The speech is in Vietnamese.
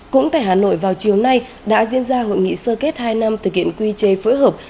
cũng tại hà nội vào chiều nay đã diễn ra hội nghị sơ kết hai năm thực hiện quy chế phối hợp